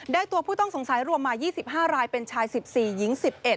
ตัวผู้ต้องสงสัยรวมมา๒๕รายเป็นชาย๑๔หญิง๑๑